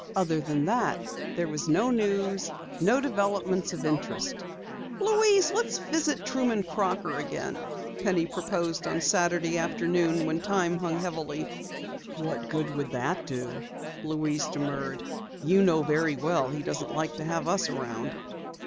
Other than that, there was no news, no developments of interest. "Louise, let's visit Truman Crocker again," Penny proposed on Saturday afternoon when time hung heavily. "What good would it do?" Louise demurred. "You know very well he doesn't like to have us around."